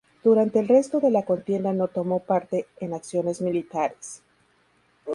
Durante el resto de la contienda no tomó parte en acciones militares.